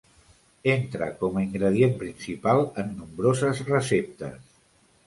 Entra com ingredient principal en nombroses receptes.